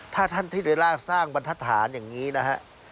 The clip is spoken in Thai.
ถ้าท่านธิราชสร้างบันทธาตุฐานอย่างนี้นะครับ